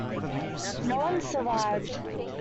No one survived.